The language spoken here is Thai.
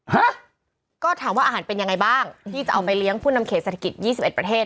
ฮะก็ถามว่าอาหารเป็นยังไงบ้างที่จะเอาไปเลี้ยงผู้นำเขตเศรษฐกิจ๒๑ประเทศ